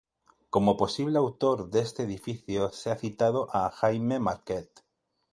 Como posible autor de este edificio se ha citado a Jaime Marquet.